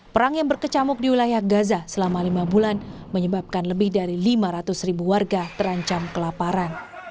perang yang berkecamuk di wilayah gaza selama lima bulan menyebabkan lebih dari lima ratus ribu warga terancam kelaparan